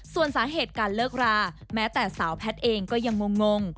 ส่วนสาเหตุการเลิกราแม้แต่สาวแพทย์เองก็ยังงง